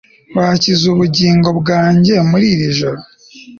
wakiza ubugingo bwanjye muri iri joro